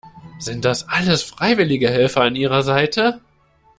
Sind das alles freiwillige Helfer an ihrer Seite?